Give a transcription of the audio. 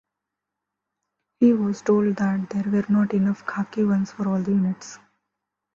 He was told that there were not enough khaki ones for all the units.